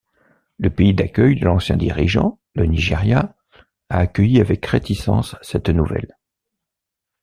Le pays d'accueil de l'ancien dirigeant, le Nigeria, a accueilli avec réticence cette nouvelle.